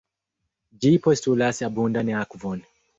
Ĝi postulas abundan akvon.